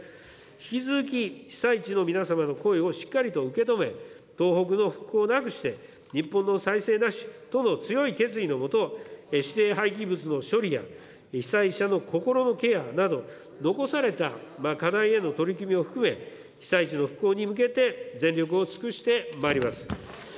引き続き被災地の皆様の声をしっかりと受け止め、東北の復興なくして日本の再生なしとの強い決意のもと、指定廃棄物の処理や、被災者の心のケアなど、残された課題への取り組みを含め、被災地の復興に向けて、全力を尽くしてまいります。